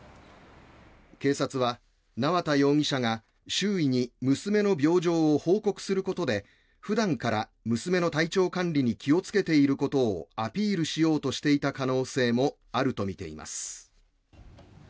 警察は、縄田容疑者が周囲に娘の病状を報告することで普段から娘の体調管理に気をつけていることをアピールしようとしていた可能性もあるとみています。